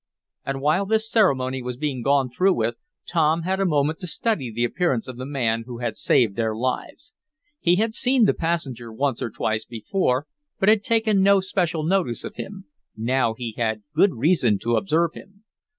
And while this ceremony was being gone through with, Tom had a moment to study the appearance of the man who had saved their lives. He had seen the passenger once or twice before, but had taken no special notice of him. Now he had good reason to observe him.